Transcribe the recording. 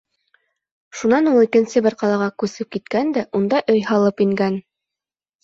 Шунан ул икенсе бер ҡалаға күсеп киткән дә унда өй һалып ингән.